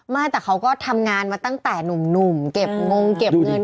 ไม่แต่เขาก็ทำงานมาตั้งแต่หนุ่มเก็บงงเก็บเงิน